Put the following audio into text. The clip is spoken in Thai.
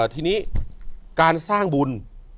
ทีนี้การสร้างบุญ